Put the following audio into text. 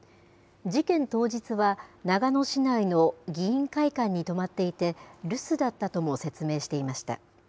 事件当日は、長野市内の議員会館に泊まっていて、留守だったとも説明していました。